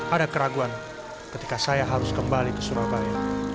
ada keraguan ketika saya harus kembali ke surabaya